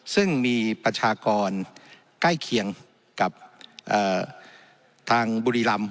ซึ่งมีประชากรใกล้เคียงกับทางบุรีรำ